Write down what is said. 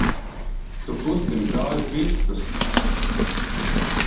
Tu kustini kāju pirkstus!